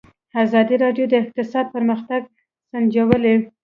ازادي راډیو د اقتصاد پرمختګ سنجولی.